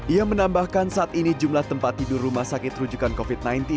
ia menambahkan saat ini jumlah tempat tidur rumah sakit rujukan covid sembilan belas